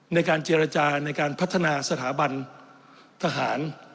ในการเจรจาในการพัฒนาสถาบันทหาร